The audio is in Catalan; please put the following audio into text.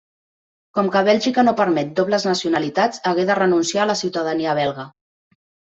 Com que Bèlgica no permet dobles nacionalitats, hagué de renunciar a la ciutadania belga.